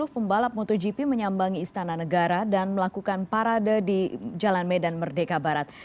dua puluh pembalap motogp menyambangi istana negara dan melakukan parade di jalan medan merdeka barat